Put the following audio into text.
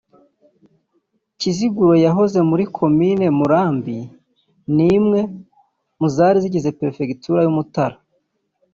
Kiziguro yahoze muri Komini Murambi ni imwe mu zari zigize Perefegitura y’Umutara